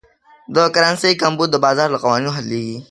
د کرنسۍ کمبود د بازار له قوانینو حلېږي.